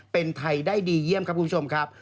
เป็นไทยได้ดีเยี่ยมครับคุณผู้ชมครับ